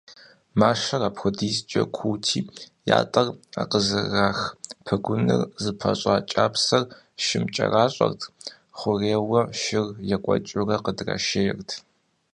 Мащэр апхуэдизкӏэ куути, ятӏэр къызэрырах пэгуныр зыпыщӏа кӏапсэр шым кӏэращӏэрт, хъурейуэ шыр екӏуэкӏыурэ къыдрашейрт.